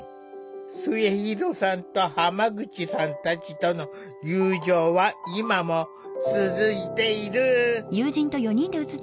末弘さんと浜口さんたちとの友情は今も続いている。